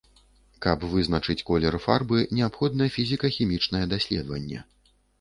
Каб вызначыць колер фарбы, неабходна фізіка-хімічнае даследаванне.